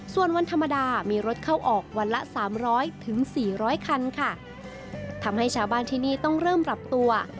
ส่วนวันธรรมดามีรถเข้าออกวันละสามร้อยถึงสี่ร้อยคันค่ะทำให้ชาวบ้านที่นี่ต้องเริ่มปรับตัว